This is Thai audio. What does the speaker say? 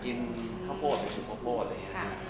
กินข้าวโพดไปคุมข้าวโพดเลย